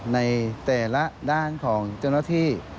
ในแต่ละด้านของเจ้าหน้าที่